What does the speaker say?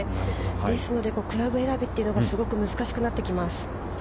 ですので、クラブ選びというのが、すごく難しくなってきます。